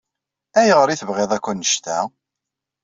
Ayɣer i tebɣiḍ akk annect-a?